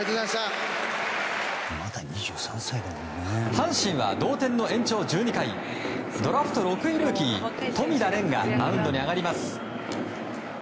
阪神は同点の延長１２回ドラフト６位ルーキー富田蓮がマウンドに上がります。